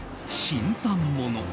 新参者。